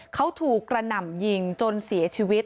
เขาถูกกระหน่ำยิงจนเสียชีวิต